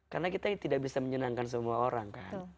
karena kita tidak bisa menyenangkan semua orang kan